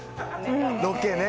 ロケね。